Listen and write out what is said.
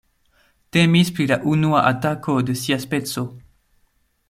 Temis pri la unua atako de sia speco.